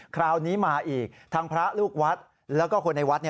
คราวนี้มาอีกทางพระลูกวัดแล้วก็คนในวัด